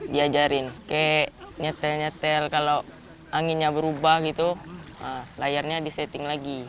diajarin kayak nyetel nyetel kalau anginnya berubah gitu layarnya disetting lagi